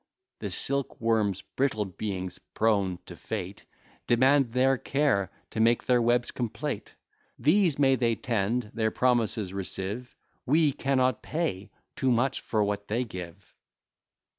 The silk worms (brittle beings!) prone to fate, Demand their care, to make their webs complete: These may they tend, their promises receive; We cannot pay too much for what they give!